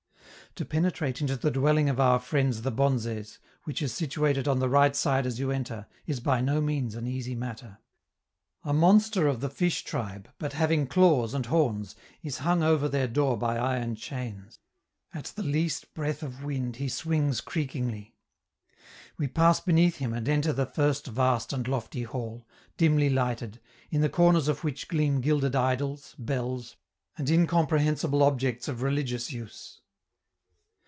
To penetrate into the dwelling of our friends the bonzes, which is situated on the right side as you enter, is by no means an easy matter. A monster of the fish tribe, but having claws and horns, is hung over their door by iron chains; at the least breath of wind he swings creakingly. We pass beneath him and enter the first vast and lofty hall, dimly lighted, in the corners of which gleam gilded idols, bells, and incomprehensible objects of religious use.